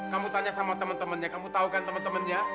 kamu tanya sama temen temennya kamu tau kan temen temennya